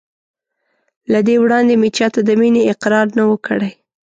له دې وړاندې مې چا ته د مینې اقرار نه و کړی.